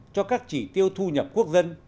cho các chỉ tiêu thu nhập quốc dân